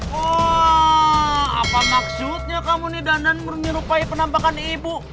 wah apa maksudnya kamu nih dandan menyerupai penampakan ibu